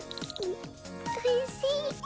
おいしい。